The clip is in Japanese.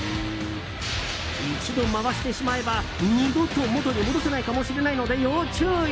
一度回してしまえば、二度と元に戻せないかもしれないので要注意。